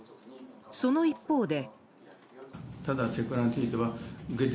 その一方で。